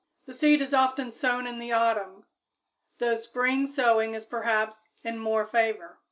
The seed is often sown in the autumn, though spring sowing is perhaps in more favor.